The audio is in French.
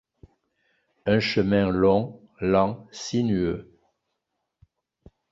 Un chemin long, lent, sinueux.